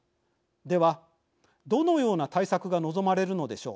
ではどのような対策が望まれるのでしょう。